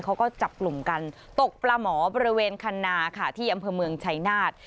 เขาก็จับกลุ่มกันตกปลาหมอบริเวณคันนาค่ะที่อำเภอเมืองชัยนาธ